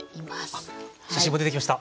あ写真も出てきました！